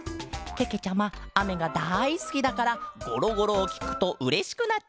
けけちゃまあめがだいすきだからゴロゴロをきくとうれしくなっちゃうケロ！